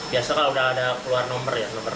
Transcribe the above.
biasanya kalau sudah ada keluar nomor ya